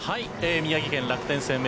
宮城県楽天生命